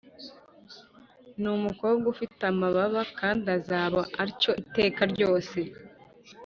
ni umukobwa ufite amababa kandi azaba atyo iteka ryose.